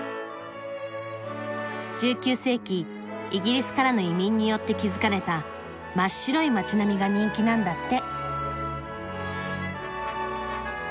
１９世紀イギリスからの移民によって築かれた真っ白い街並みが人気なんだって。